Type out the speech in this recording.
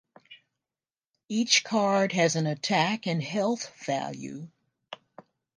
Each card has an attack and health value.